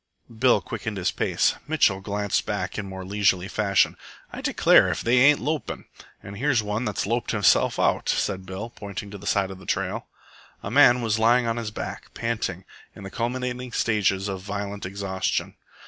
Bill quickened his pace. Mitchell glanced back in more leisurely fashion. "I declare if they ain't lopin'!" "And here's one that's loped himself out," said Bill, pointing to the side of the trail. A man was lying on his back panting in the culminating stages of violent exhaustion.